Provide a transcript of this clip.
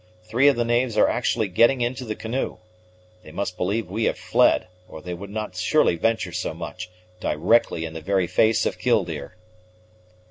Three of the knaves are actually getting into the canoe! They must believe we have fled, or they would not surely venture so much, directly in the very face of Killdeer."